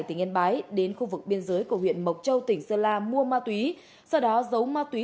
tỉnh yên bái đến khu vực biên giới của huyện mộc châu tỉnh sơn la mua ma túy sau đó giấu ma túy